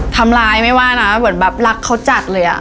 ทำร้ายไม่ว่านะเหมือนแบบรักเขาจัดเลยอ่ะ